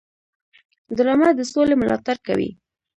ډرامه د سولې ملاتړ کوي